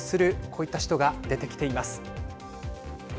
こういった人が出てきています。